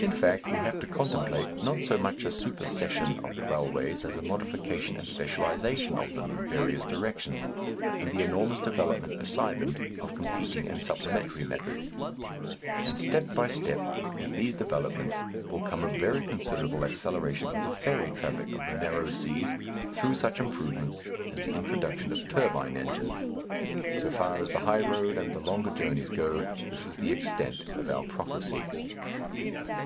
In fact, we have to contemplate, not so much a supersession of the railways as a modification and specialization of them in various directions, and the enormous development beside them of competing and supplementary methods. And step by step with these developments will come a very considerable acceleration of the ferry traffic of the narrow seas through such improvements as the introduction of turbine engines. So far as the high road and the longer journeys go this is the extent of our prophecy.